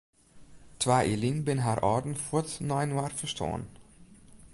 Twa jier lyn binne har âlden fuort nei inoar stoarn.